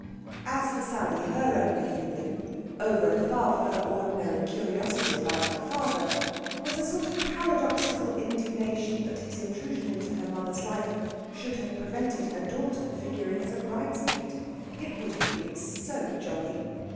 As for Sally, her only feeling, over and above her ordinary curiosity about her father, was a sort of paradoxical indignation that his intrusion into her mother's life should have prevented her daughter figuring as a bridesmaid. It would have been so jolly!